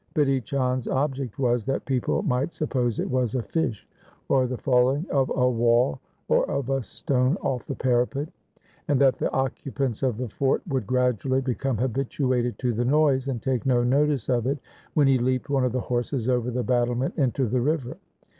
Bidhi Chand' s object was, that people might suppose it was a fish or the falling of a wall or of a stone off the parapet ; and that the occupants of the fort would gradually become habituated to the noise, and take no notice of it when he leaped one of the horses over the battle ment into the river.